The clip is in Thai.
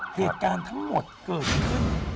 เหตุการณ์ทั้งหมดเกิดขึ้น